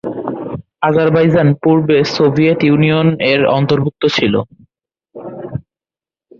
Azerbaijan পূর্বে Soviet Union এর অন্তর্ভুক্ত ছিল।